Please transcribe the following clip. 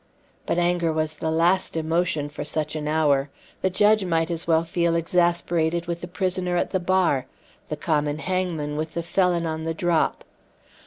But anger was the last emotion for such an hour; the judge might as well feel exasperated with the prisoner at the bar, the common hangman with the felon on the drop.